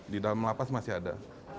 di dalam lapas masih ada